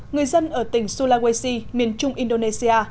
người dân ở tỉnh sulawesi miền trung indonesia